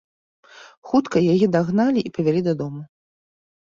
Хутка яе дагналі і павялі дадому.